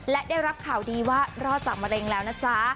และได้รับข่าวดีว่ารอดจากมะเร็งแล้วนะจ๊ะ